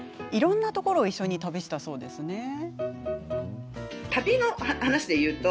いろんなところを一緒に旅したそうですね。